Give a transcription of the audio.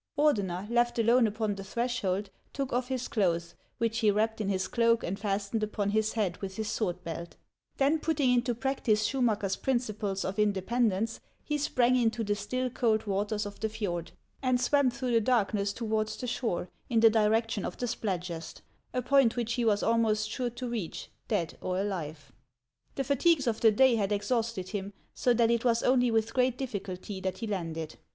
Ordener, left alone upon the threshold, took off his clothes, which he wrapped in his cloak and fastened upon his head with his sword belt ; then, putting into practice Schumacker's principles of independence, he sprang into the still, cold waters of the fjord, and swam through the darkness towards the shore, in the direction of the Splau gest, — a point which he was almost sure to reach, dead or alive. The fatigues of the day had exhausted him, so that it was only with great difficulty that he lauded.